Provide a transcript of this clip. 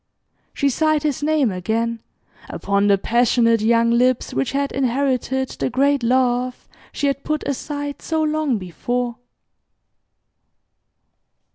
She sighed his name again, upon the passionate young lips which had inherited the great love she had put aside so long before.